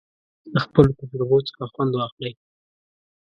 د خپلو تجربو څخه خوند واخلئ.